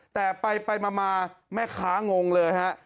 แต่ไปมาแม่ค้างงเลยฮะ